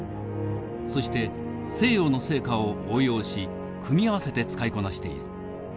そして西洋の成果を応用し組み合わせて使いこなしている。